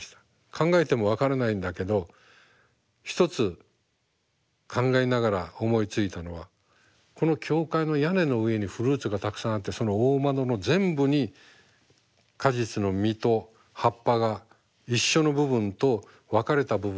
考えても分からないんだけど一つ考えながら思いついたのはこの教会の屋根の上にフルーツがたくさんあってその大窓の全部に果実の実と葉っぱが一緒の部分と分かれた部分がある。